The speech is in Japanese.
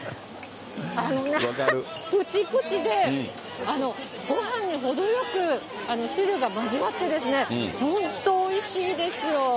あのね、ぷちぷちで、ごはんに程よく汁が交わって、本当、おいしいですよ。